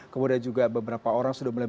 kemudian juga beberapa orang sudah mulai